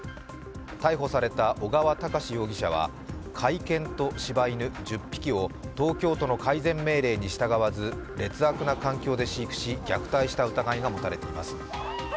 逮捕された尾川隆容疑者は甲斐犬と、しば犬１０匹を東京都の改善命令に従わず、劣悪な環境で飼育し、虐待した疑いが持たれています。